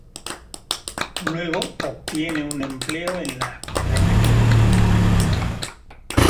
Luego obtiene un empleo en la prefectura del Sena.